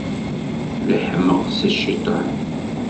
Leḥmeq, si cciṭan.